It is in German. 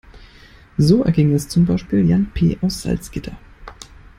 So erging es zum Beispiel Jan P. aus Salzgitter.